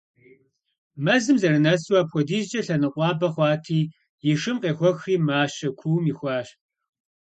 Мэзым зэрынэсу, апхуэдизкӀэ лъэныкъуабэ хъуати, и шым къехуэхри мащэ куум ихуащ.